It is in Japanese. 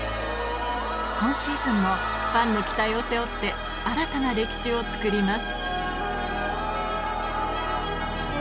今シーズンもファンの期待を背負って新たな歴史をつくります